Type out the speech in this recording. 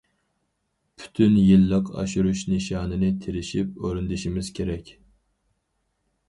پۈتۈن يىللىق ئاشۇرۇش نىشانىنى تىرىشىپ ئورۇندىشىمىز كېرەك.